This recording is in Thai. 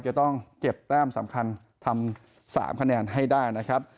จะต้องเก็บแต้มสำคัญทำ๓คะแนนให้ได้นะครับ